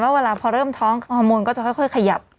เวลาพอเริ่มท้องฮอร์โมนก็จะค่อยขยับ